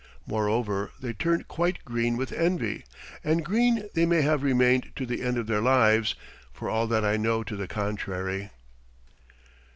Moreover they turned quite green with envy, and green they may have remained to the end of their lives, for all that I know to the contrary.